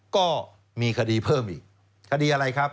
ก็มีคดีเพิ่มอีกคดีอะไรครับ